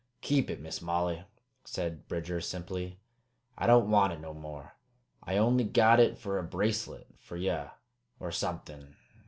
"Keep hit, Miss Molly," said Bridger simply. "I don't want hit no more. I only got hit fer a bracelet fer ye, or something.